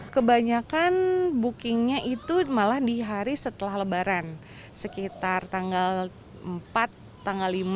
kebanyakan bookingnya itu malah di hari setelah lebaran sekitar tanggal empat tanggal lima